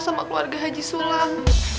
sama keluarga haji sulang